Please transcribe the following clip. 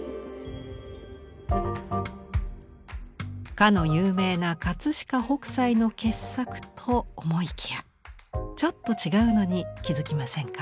かの有名な飾北斎の傑作と思いきやちょっと違うのに気付きませんか？